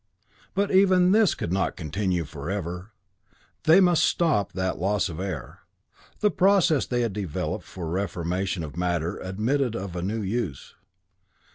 "But even this could not continue forever. They must stop that loss of air. The process they had developed for reformation of matter admitted of a new use.